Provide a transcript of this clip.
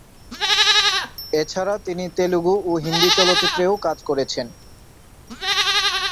এছাড়া তিনি তেলুগু ও হিন্দি চলচ্চিত্রেও কাজ করেছেন।